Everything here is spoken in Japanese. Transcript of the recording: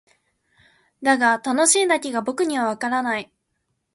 だが「楽しい」だけが僕にはわからない。